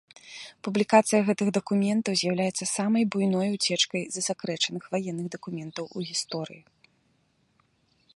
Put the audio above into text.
Публікацыя гэтых дакументаў з'яўляецца самай буйной уцечкай засакрэчаных ваенных дакументаў у гісторыі.